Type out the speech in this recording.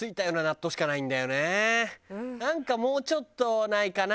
なんかもうちょっとないかな？